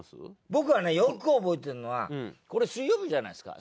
僕はねよく覚えてるのはこれ水曜日じゃないですか。